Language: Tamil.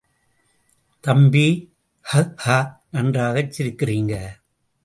தம்பி!.... ஹஹ்ஹா! நன்றாகச் சிரிக்கிறீங்க!